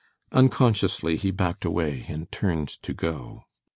Unconsciously he backed away and turned to go.